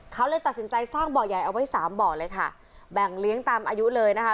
เขาเลยตัดสินใจสร้างบ่อใหญ่เอาไว้สามบ่อเลยค่ะแบ่งเลี้ยงตามอายุเลยนะคะ